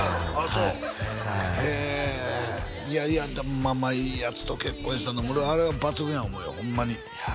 そうへえいやいやでもまあまあいいヤツと結婚したな俺はあれは抜群や思うよホンマにいや